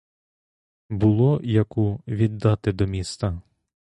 Було яку віддати до міста.